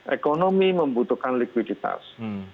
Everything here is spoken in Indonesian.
ekonomi membutuhkan likuiditas